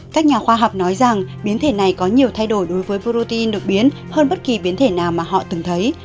các nhà khoa học nói rằng biến thể này có nhiều thay đổi đối với protein đột biến hơn bất kỳ biến thể nào mà họ từng thấy